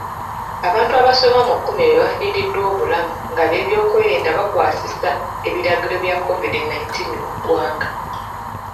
Abantu abasoba mu kumi be bafiiriddwa obulamu ng'abeebyokwerinda bakwasisa ebiragiro bya COVID nineteen mu ggwanga.